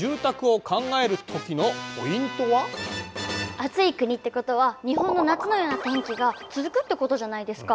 暑い国ってことは日本の夏のような天気が続くってことじゃないですか。